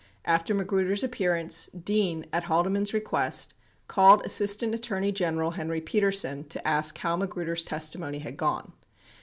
11 After Magruder's appearance, Dean, at Haldeman's request, called Assistant Attorney General Henry Petersen to ask how Magruder's testimony had gone.